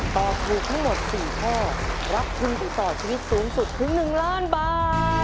ตอบถูกทั้งหมด๔ข้อรับทุนไปต่อชีวิตสูงสุดถึง๑ล้านบาท